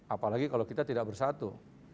apalagi kalau kita tidak bersatu